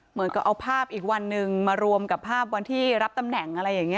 เหมือนกับเอาภาพอีกวันหนึ่งมารวมกับภาพวันที่รับตำแหน่งอะไรอย่างนี้